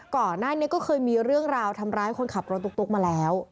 ก่อนหน้านี้ก็เคยมีเรื่องราวทำร้ายคนขับรถตุ๊กมาแล้ว